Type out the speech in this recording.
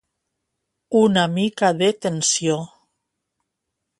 Una mica de tensió.